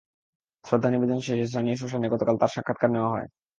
শ্রদ্ধা নিবেদন শেষে স্থানীয় শ্মশানে গতকাল রাতে তাঁর সৎকার করা হয়।